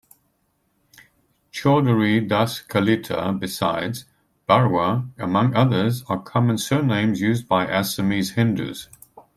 Chaudhary, Das, Kalita besides, Barua, among others are common surnames used by Assamese Hindus.